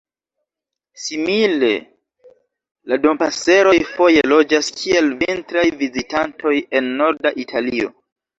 Simile la Dompaseroj foje loĝas kiel vintraj vizitantoj en norda Italio.